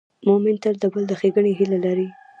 مؤمن تل د بل د ښېګڼې هیله لري.